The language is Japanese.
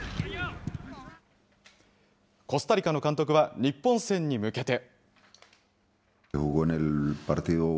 コスタリカの監督は日本戦に向けて。